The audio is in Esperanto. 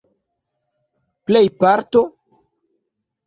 plejparto